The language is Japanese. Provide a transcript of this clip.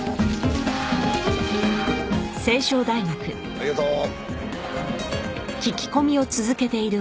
ありがとう。